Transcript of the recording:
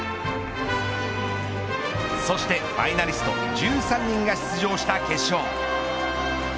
そしてファイナリスト１３人が出場した決勝。